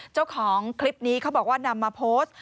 เจ้าของคลิปนี้เขาบอกว่านำมาโพสต์